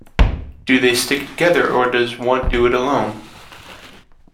Do they stick together or does one do it alone?